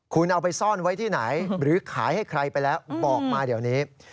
คุณเอาไปซ่อนไว้ที่ไหนหรือขายให้ใครไปแล้วบอกมาเดี๋ยวนี้